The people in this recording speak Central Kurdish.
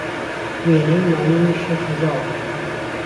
وێنهی ماینی شێخهزاڵ